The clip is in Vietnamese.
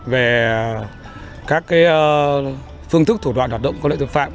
về các cái phương thức thủ đoạn hoạt động của loại tội phạm